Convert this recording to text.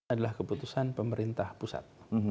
adalah keputusan pemerintah pusat